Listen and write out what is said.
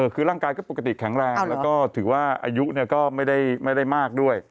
คือร่างกายก็ปกติแข็งแรงแล้วก็ถือว่าอายุก็ไม่ได้มากด้วย